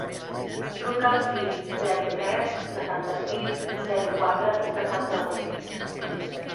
Truca al sis, zero, tres, setanta-sis, zero, quatre, setanta-vuit.